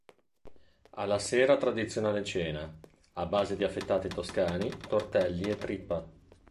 Alla sera tradizionale cena a base di affettati toscani, tortelli e trippa.